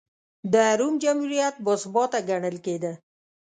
د روم جمهوریت باثباته ګڼل کېده.